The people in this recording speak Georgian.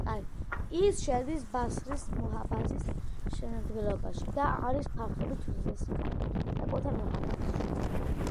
ის შედის ბასრის მუჰაფაზის შემადგენლობაში და არის ფართობით უდიდესი ქალაქი საკუთარ მუჰაფაზაში.